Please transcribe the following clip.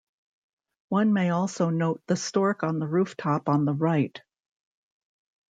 One may also note the stork on the rooftop on the right.